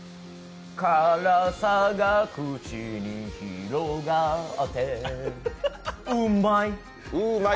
辛さが口に広がってうまい！